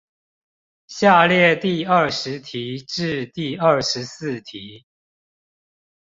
下列第二十題至第二十四題